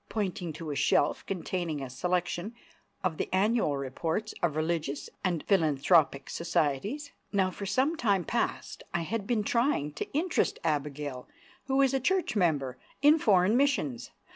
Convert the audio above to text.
pointing to a shelf containing a selection of the annual reports of religious and philanthropic societies. Now for some time past I had been trying to interest Abigail—who is a church member—in foreign missions.